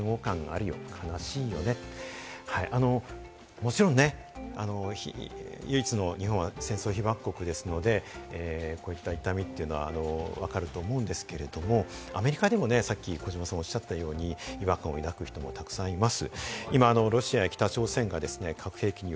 もちろん、唯一の日本は戦争被爆国ですので、こういった痛みは分かると思うんですけれども、アメリカでもね児嶋さんがおっしゃったように違和感を抱く人もいます。